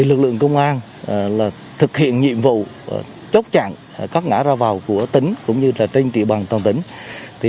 lực lượng công an thực hiện nhiệm vụ chốt chặn các ngã ra vào của tỉnh cũng như trên địa bàn toàn tỉnh